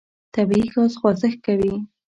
طبیعي ګاز خوځښت کوي.